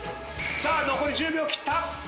さあ残り１０秒切った！